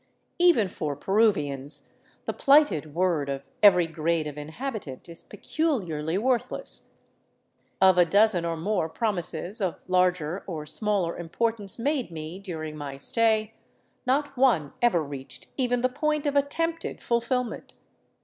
Even for Peruvians, the plighted word of every grade of inhabitant is peculiarly worthless. Of a dozen or more promises of larger or smaller importance made me during my stay, not one ever reached even the point of attempted fulfilment.